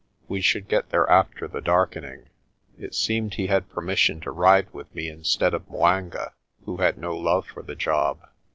We should get there after the darkening. It seemed he had permission to ride with me instead of 'Mwanga, who had no love for the job.